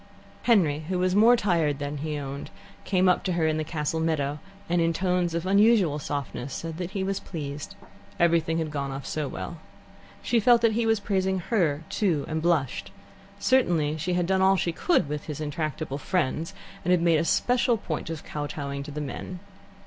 Henry, who was more tired than he owned, came up to her in the castle meadow, and, in tones of unusual softness, said that he was pleased. Everything had gone off so well. She felt that he was praising her, too, and blushed; certainly she had done all she could with his intractable friends, and had made a special point of kowtowing to the men.